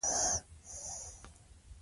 توری په خوله کې ځانګړی ځای لري.